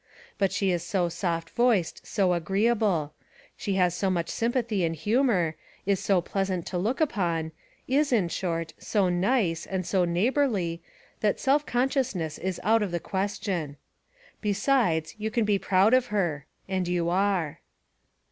But she is so soft voiced, so agreeable; she has so much sym pathy and humor, is so pleasant to look upon, is, in short, so "nice" and so neighborly that self conscious ness is out of the question. Besides, you can be proud of her. ... And you are.